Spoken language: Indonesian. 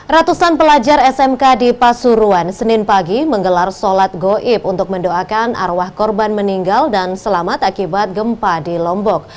ratusan pelajar smk di pasuruan senin pagi menggelar sholat goib untuk mendoakan arwah korban meninggal dan selamat akibat gempa di lombok